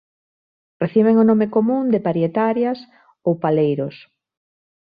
Reciben o nome común de parietarias ou paleiros.